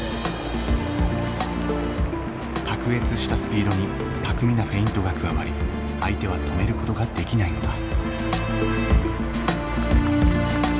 卓越したスピードに巧みなフェイントが加わり相手は止めることができないのだ。